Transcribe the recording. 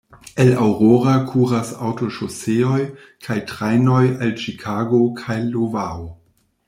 El Aurora kuras aŭtoŝoseoj kaj trajnoj al Ĉikago kaj Iovao.